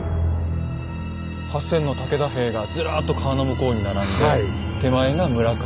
８，０００の武田兵がずらっと川の向こうに並んで手前が村上。